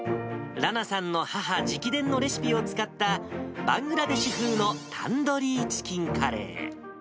らなさんの母直伝のレシピを使った、バングラデシュ風のタンドリーチキンカレー。